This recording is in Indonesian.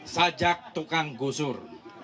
sajak tukang gusur